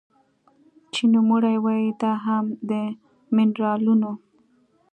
چې نوموړې وايي دا هم د مېنرالونو